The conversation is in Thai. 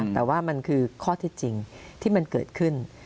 แต่ว่ามันคือข้อเท็จจริงที่มันเกิดขึ้น